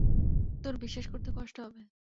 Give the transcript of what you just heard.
তোর বিশ্বাস করতে কষ্ট হবে।